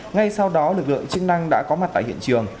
ngay sau đó lực lượng chức năng đã có mặt tại hiện trường